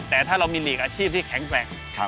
แต่ถ้าเรามีอาชีพที่แข็งแปลง